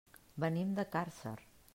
Venim de Càrcer.